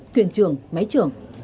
quyền trưởng máy trưởng